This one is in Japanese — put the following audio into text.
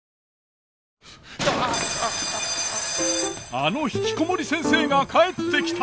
あのひきこもり先生が帰ってきた！